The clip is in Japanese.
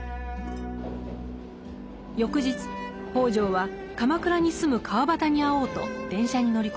翌日北條は鎌倉に住む川端に会おうと電車に乗り込みます。